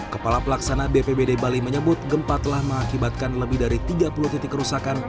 kepala pelaksana bpbd bali menyebut gempa telah mengakibatkan lebih dari tiga puluh titik kerusakan